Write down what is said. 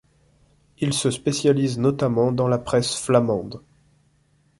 Il se spécialise notamment dans la presse flamande.